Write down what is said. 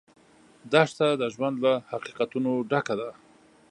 دښته د ژوند له حقیقتونو ډکه ده.